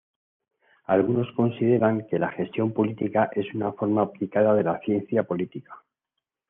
Algunos consideran que la gestión política es una forma aplicada de la ciencia política.